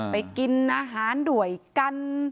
ไปกินอาหารด้วยกัน